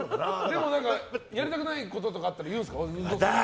でもやりたくないこととかあったら言うんですか？